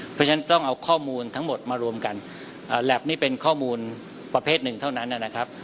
เพราะฉะนั้นต้องเอาข้อมูลทั้งหมดมารวมกันแล็บนี่เป็นข้อมูลประเภทหนึ่งเท่านั้นนะครับ